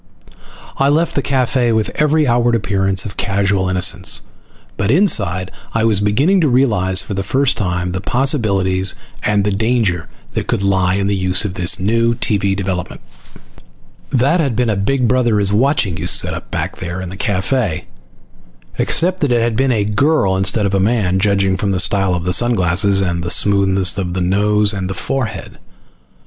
I left the cafe with every outward appearance of casual innocence; but inside I was beginning to realize for the first time the possibilities and the danger that could lie in the use of this new TV development. That had been a Big Brother is Watching you setup back there in the cafe, except that it had been a girl instead of a man, judging from the style of sun glasses and the smoothness of the nose and forehead.